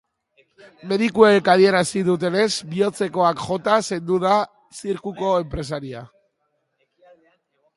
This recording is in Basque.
Medikuek adierazi dutenez, bihotzekoak jota zendu da zirkuko enpresaria.